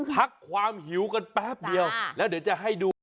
พักความหิวกันแป๊บเดียวแล้วเดี๋ยวจะให้ดู